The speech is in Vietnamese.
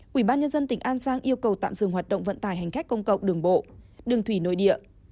quỹ ban nhân dân tỉnh an giang yêu cầu tạm dừng hoạt động vận tải hành khách công cộng đường bộ đường thủy nội địa